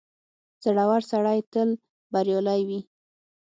• زړور سړی تل بریالی وي.